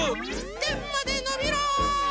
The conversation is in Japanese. てんまでのびろ！